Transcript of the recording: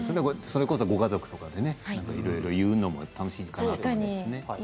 それこそ、ご家族でいろいろ言うのも楽しいかもしれないですね。